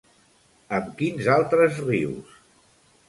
Amb quins altres rius?